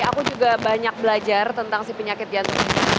aku juga banyak belajar tentang si penyakit jantung